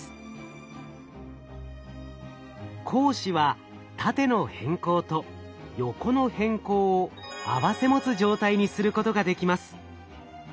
光子は縦の偏光と横の偏光を併せ持つ状態にすることができます。